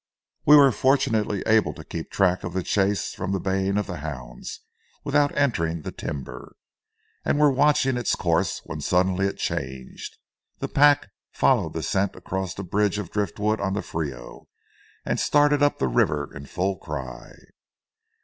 We were fortunately able to keep track of the chase from the baying of the hounds without entering the timber, and were watching its course, when suddenly it changed; the pack followed the scent across a bridge of driftwood on the Frio, and started up the river in full cry.